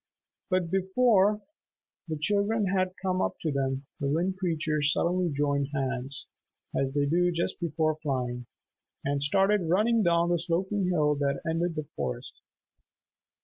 But before the children had come up to them, the Wind Creatures suddenly joined hands, as they do just before flying, and started running down the sloping hill that ended the forest.